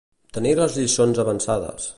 Tenir les lliçons avançades.